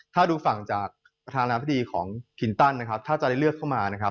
ถ้าดูฝั่งจากประธานาภาษณีย์ของผิดตั้นถ้าจะได้เลือกเข้ามา